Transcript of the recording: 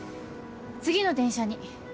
次の電車に。